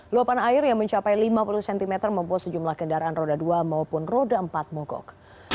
luapan air yang mencapai lima puluh cm membuat sejumlah kendaraan roda dua maupun roda empat mogok